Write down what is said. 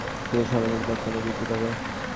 কিছু সামাজিক দক্ষতা বৃদ্ধি পাবে।